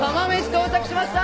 到着しました！